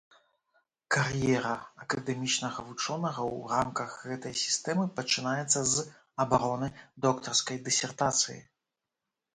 Кар'ера акадэмічнага вучонага ў рамках гэтай сістэмы пачынаецца з абароны доктарскай дысертацыі.